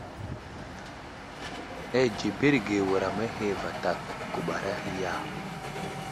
Anzeberge wuram ahe vatak guɓar ahe ya ?